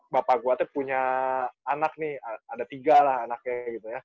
bapak kuatnya punya anak nih ada tiga lah anaknya gitu ya